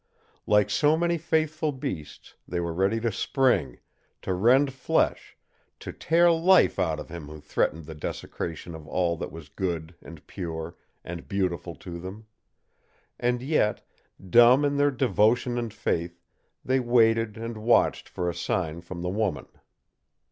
Like so many faithful beasts, they were ready to spring, to rend flesh, to tear life out of him who threatened the desecration of all that was good and pure and beautiful to them; and yet, dumb in their devotion and faith, they waited and watched for a sign from the woman.